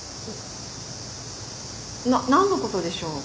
なっ何のことでしょう？